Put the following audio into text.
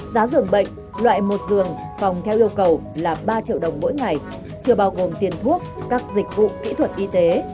giá dường bệnh loại một giường phòng theo yêu cầu là ba triệu đồng mỗi ngày chưa bao gồm tiền thuốc các dịch vụ kỹ thuật y tế